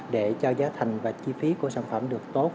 để cho giá thành và chi phí của sản phẩm được tốt